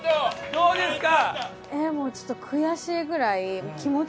どうですか？